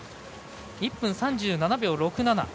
１分３７秒６７。